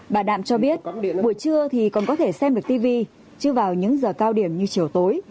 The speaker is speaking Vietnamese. bà đạm cho biết buổi trưa thì còn có thể xem được tv chứ vào những giờ cao điểm như chiều tối